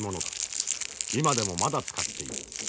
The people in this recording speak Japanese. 今でもまだ使っている。